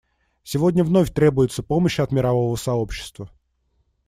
Сегодня вновь требуется помощь от мирового сообщества.